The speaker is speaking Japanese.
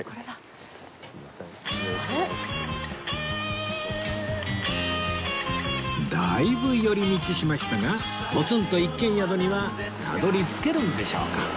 だいぶ寄り道しましたがポツンと一軒宿にはたどり着けるんでしょうか？